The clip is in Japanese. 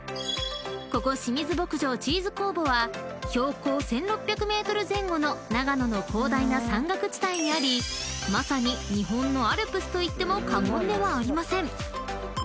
［ここ清水牧場チーズ工房は標高１，６００ｍ前後の長野の広大な山岳地帯にありまさに日本のアルプスと言っても過言ではありません］